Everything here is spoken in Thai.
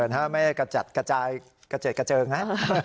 ถ้าไม่กระจัดกระจายกระเจิดกระเจิงนะ